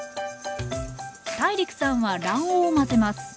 ＴＡＩＲＩＫさんは卵黄を混ぜます。